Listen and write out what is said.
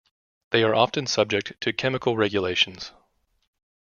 They are often subject to chemical regulations.